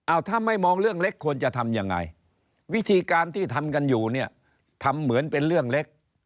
เอาถ้าไม่มองเรื่องเล็กควรจะทำยังไงวิธีการที่ทำกันอยู่เนี่ยทำเหมือนเป็นเรื่องเล็ก